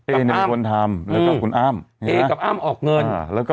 เอ๊กับอ้ามออกเงิน